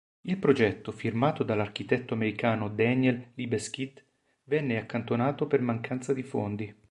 Il progetto, firmato dall'architetto americano Daniel Libeskind, venne accantonato per mancanza di fondi.